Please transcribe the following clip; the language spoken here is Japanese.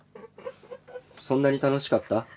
そんなに楽しかった？